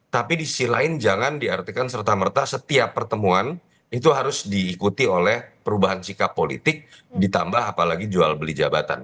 tapi di sisi lain jangan diartikan serta merta setiap pertemuan itu harus diikuti oleh perubahan sikap politik ditambah apalagi jual beli jabatan